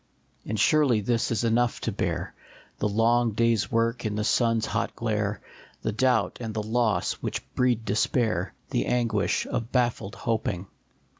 1/3 And surely this is enough to bear, The long day s work in the sun s hot glare, The doubt and the loss which breed despair, The anguish of baffled hoping.